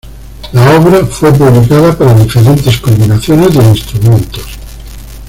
La obra fue publicada para diferentes combinaciones de instrumentos.